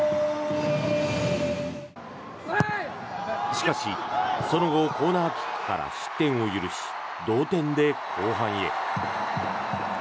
しかし、その後コーナーキックから失点を許し同点で後半へ。